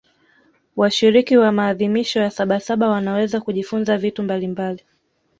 washiriki wa maadhimisho ya sabasaba wanaweza kujifunza vitu mbalimbali